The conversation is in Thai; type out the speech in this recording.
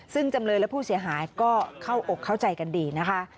ซึ่งจำเลยและผู้เสียหายก็เข้าอกเข้าใจกันดีนะคะ